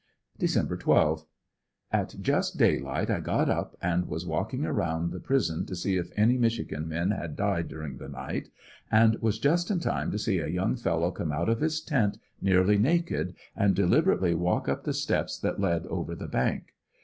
Dec. Vi. — ^At just daylight I got up and was walking around the prison to see if any Michigan men had died through the night, and was jubt in time to see a young fellow come out of his tent nearly naked and deliberately w^alk up the steps that lead over the bank.